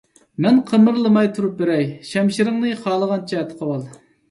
مەن قىمىرلىماي تۇرۇپ بېرەي، شەمشىرىڭنى خالىغانچە تىقىۋال!